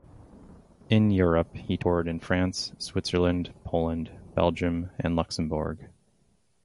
In Europe he toured in France, Switzerland, Poland, Belgium and Luxembourg.